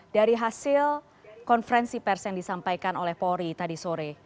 dari hasil konferensi pers yang disampaikan oleh polri tadi sore